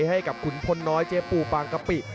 ให้กับขุนพลน้อยเจปูปางกะปิ